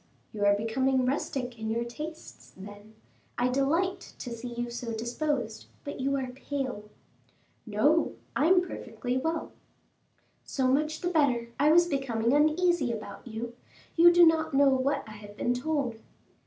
"You are becoming rustic in your tastes, then; I delight to see you so disposed. But you are pale." "No, I am perfectly well." "So much the better; I was becoming uneasy about you. You do not know what I have been told."